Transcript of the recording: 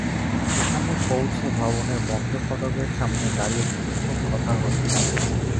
সেখানে পৌঁছে ভবনের বন্ধ ফটকের সামনে দাঁড়িয়ে কিছুক্ষণ কথা হলো।